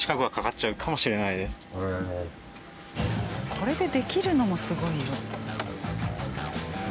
これでできるのもすごいよ。